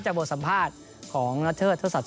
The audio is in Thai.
จากบทสัมภาษณ์ของเทศ